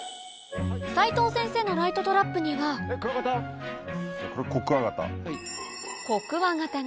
斉藤先生のライトトラップにはえっクワガタ？